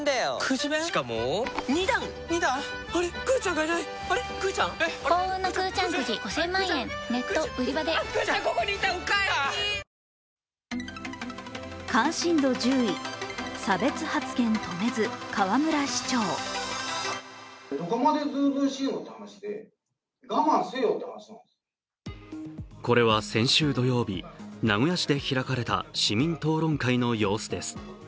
障がい者に向けられた発言、これは先週土曜日、名古屋市で開かれた市民討論会の様子です。